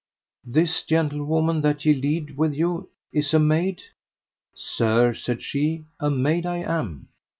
This gentlewoman that ye lead with you is a maid? Sir, said she, a maid I am.